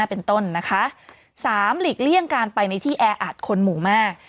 เป็นต้นนะคะสามหลีกเลี่ยงการไปในที่แออัดคนหมู่มาก